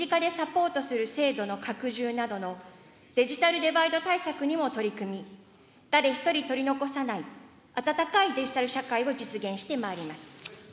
同時にデジタル手続きを身近でサポートする制度の拡充などのデジタルデバイド対策にも取り組み、誰一人取り残さない温かいデジタル社会を実現してまいります。